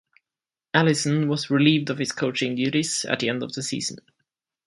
Allison was relieved of his coaching duties at the end of the season.